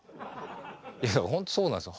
いやほんとそうなんですよ。